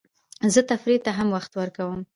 زه تفریح ته هم وخت ورکوم.